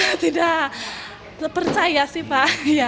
saya tidak terpercaya sih pak